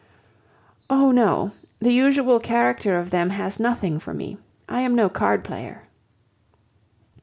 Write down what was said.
"Oh! no. The usual character of them has nothing for me. I am no card player."